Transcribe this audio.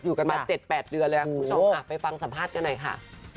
กันมา๗๘เดือนเลยคุณผู้ชมไปฟังสัมภาษณ์กันหน่อยค่ะ